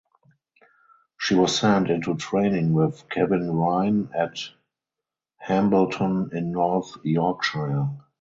She was sent into training with Kevin Ryan at Hambleton in North Yorkshire.